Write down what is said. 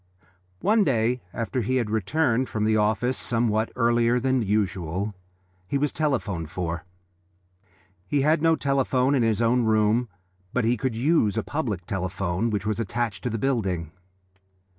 One day after he had returned from the office somewhat earlier than usual, he was telephoned for. He had no telephone in his own room, but he could use a public telephone which was attached to the building.